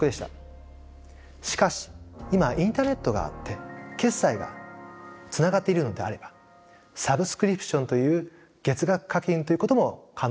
しかし今はインターネットがあって決済がつながっているのであればサブスクリプションという月額課金ということも可能になります。